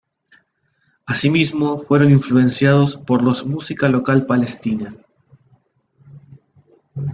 Asimismo fueron influenciados por los música local palestina.